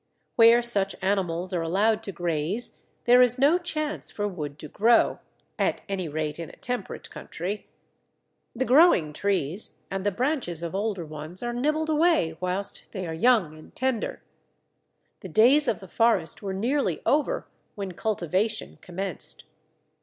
Where such animals are allowed to graze there is no chance for wood to grow (at any rate in a temperate country). The growing trees and the branches of older ones are nibbled away whilst they are young and tender. The days of the forest were nearly over when cultivation commenced.